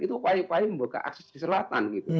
itu upaya upaya membuka akses di selatan gitu